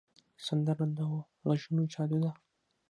سندره د غږونو جادو ده